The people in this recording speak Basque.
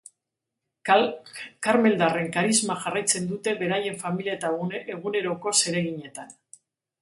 Karmeldarren karisma jarraitzen dute beraien familia eta eguneroko zereginetan.